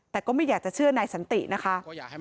แต่ก็ไม่อยากจะเชื่อนายสันตินะคะ